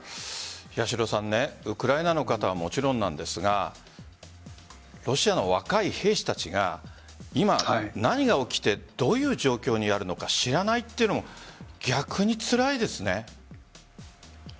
ウクライナの方はもちろんなんですがロシアの若い兵士たちが今、何が起きてどういう状況にあるのか知らないというのも逆につらいですね。